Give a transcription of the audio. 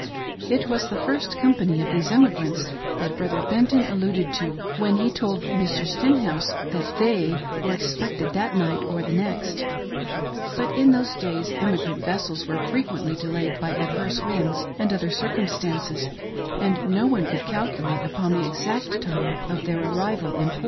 It was the first company of these emigrants that Brother Benton alluded to when he told Mr. Stenhouse that "they" were expected that night or the next ; but in those days emigrant vessels were fre quently delayed by adverse winds and other circumstances, and no one could calculate upon the exact time of their arrival in port.